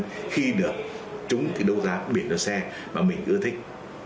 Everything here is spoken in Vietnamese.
chúng không biết được chúng thì đấu giá biển số xe mà mình ưa thích